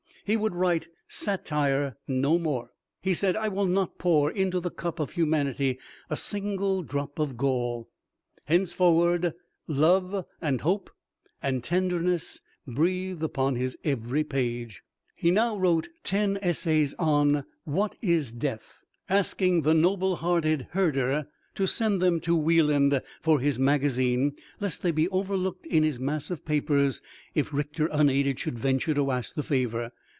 He would write satire no more. He said, "I will not pour into the cup of humanity a single drop of gall." Henceforward love, and hope, and tenderness, breathe upon his every page. He now wrote ten essays on "What is Death?" asking the noble hearted Herder to send them to Weiland for his magazine, lest they be overlooked in his mass of papers, if Richter, unaided, should venture to ask the favor.